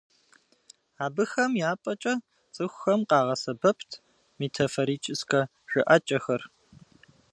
Абыхэм я пӏэкӏэ цӏыхухэм къагъэсэбэпт метафорическэ жыӏэкӏэхэр.